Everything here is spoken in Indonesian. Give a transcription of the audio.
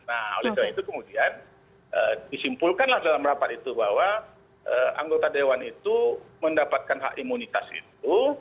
nah oleh sebab itu kemudian disimpulkanlah dalam rapat itu bahwa anggota dewan itu mendapatkan hak imunitas itu